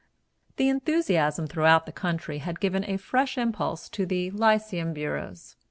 The enthusiasm throughout the country had given a fresh impulse to the lyceum bureaus.